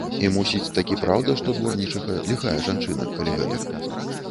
І, мусіць, такі праўда, што дворнічыха ліхая жанчына, калі гэтак.